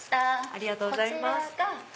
ありがとうございます。